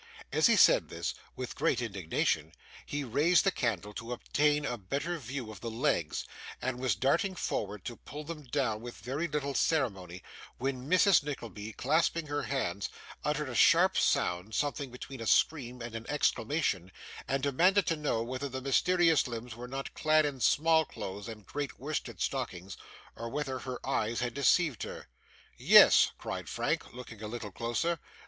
As he said this, with great indignation, he raised the candle to obtain a better view of the legs, and was darting forward to pull them down with very little ceremony, when Mrs. Nickleby, clasping her hands, uttered a sharp sound, something between a scream and an exclamation, and demanded to know whether the mysterious limbs were not clad in small clothes and grey worsted stockings, or whether her eyes had deceived her. 'Yes,' cried Frank, looking a little closer.